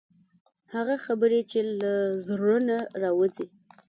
هغه خبرې چې له زړه څخه راوځي.